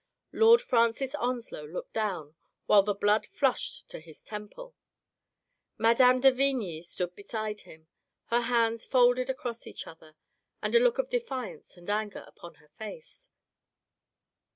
Lord Francis Onslow looked down, while the blood flushed to his temple. Mme. de Vigny stood beside him, her hands folded across each other, and a look of defiance and anger upon her face.